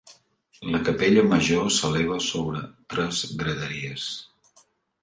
La Capella Major s'eleva sobre tres graderies.